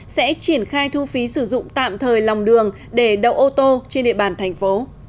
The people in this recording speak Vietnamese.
sẽ triển khai thu phí sử dụng tạm thời lòng đường để đậu ô tô trên địa bàn thành phố